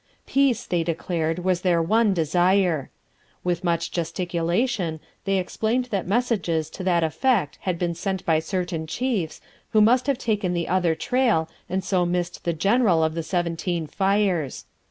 Peace, they declared, was their one desire. With much gesticulation they explained that messages to that effect had been sent by certain chiefs, who must have taken the other trail and so missed the general of the Seventeen Fires.